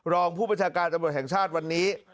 รองผู้ประชาการตำรวจแห่งชาติวันนี้